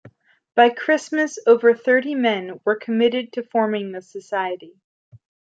By Christmas over thirty men were committed to forming the society.